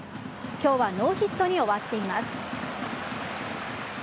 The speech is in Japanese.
今日はノーヒットに終わっています。